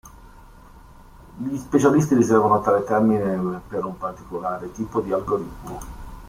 Gli specialisti riservano tale termine per un particolare tipo di algoritmo.